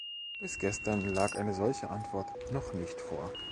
Bis gestern lag eine solche Antwort noch nicht vor.